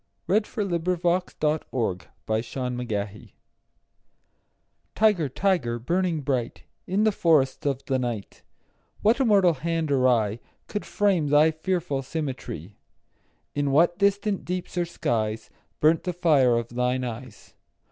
1757–1827 489. The Tiger TIGER, tiger, burning bright In the forests of the night, What immortal hand or eye Could frame thy fearful symmetry? In what distant deeps or skies 5 Burnt the fire of thine eyes?